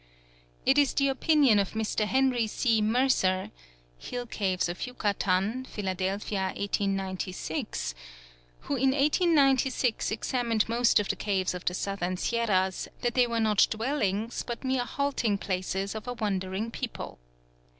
It is the opinion of Mr. Henry C. Mercer (Hill Caves of Yucatan: Philadelphia, 1896), who in 1896 examined most of the caves of the Southern Sierras, that they were not dwellings but mere halting places of a wandering people.